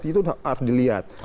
itu harus dilihat